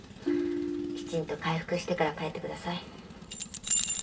きちんと回復してから帰ってください。